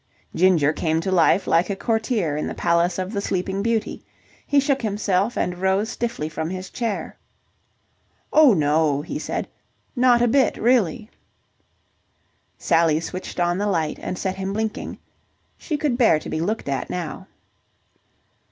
Ginger came to life like a courtier in the palace of the Sleeping Beauty. He shook himself, and rose stiffly from his chair. "Oh, no," he said. "Not a bit, really." Sally switched on the light and set him blinking. She could bear to be looked at now.